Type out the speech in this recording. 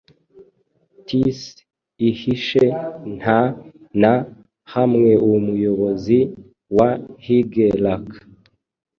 Tis ihishe nta na hamweumuyobozi wa Higelac